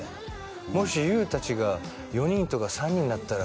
「もしＹＯＵ達が４人とか３人になったら」